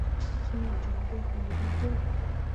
̃Fẽe joŋ gi haane lian ?